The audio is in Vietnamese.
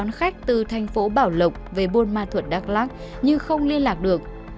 công an khách từ thành phố bảo lục về buôn ma thuật đắk lắc như không liên lạc được